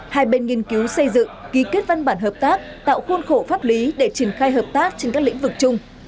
hai bên nghiên cứu xây dựng ký kết văn bản hợp tác tạo khuôn khổ pháp lý để triển khai hợp tác trên các lĩnh vực chung